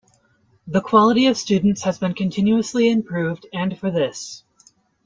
The quality of students has been continuously improved and for this.